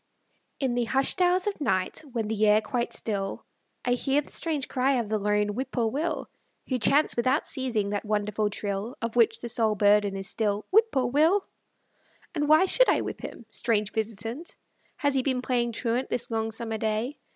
IN the hushed hours of night, when the air quite still, I hear the strange cry of the lone whippoorwill, Who Chants, without ceasing, that wonderful trill, Of which the sole burden is still, "Whip poor Will." And why should I whip him? Strange visitant, Has he been playing truant this long summer day?